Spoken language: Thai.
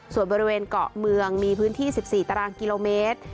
ส่วนบริเวณเกาะเมืองมีพื้นที่๑๔ตารางกิโลเมตร